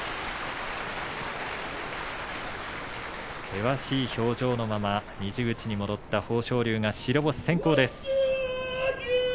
険しい表情のまま二字口に戻った豊昇龍が白星先行です。